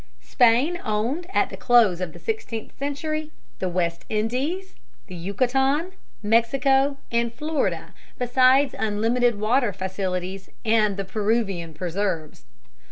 Spain owned at the close of the sixteenth century the West Indies, Yucatan, Mexico, and Florida, besides unlimited water facilities and the Peruvian preserves.